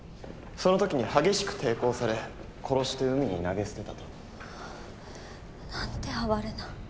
その時に激しく抵抗され殺して海に投げ捨てたと。なんて哀れな。